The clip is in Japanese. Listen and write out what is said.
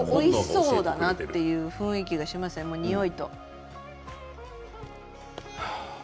おいしそうだなという雰囲気がしますよね、においと。